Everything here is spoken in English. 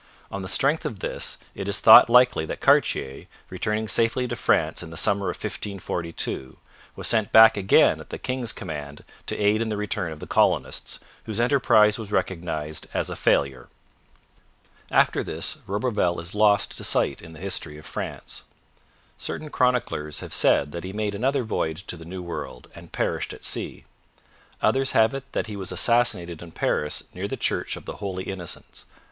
On the strength of this, it is thought likely that Cartier, returning safely to France in the summer of 1542, was sent back again at the king's command to aid in the return of the colonists, whose enterprise was recognized as a failure. After this, Roberval is lost to sight in the history of France. Certain chroniclers have said that he made another voyage to the New World and perished at sea. Others have it that he was assassinated in Paris near the church of the Holy Innocents.